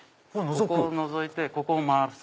ここをのぞいてここを回す。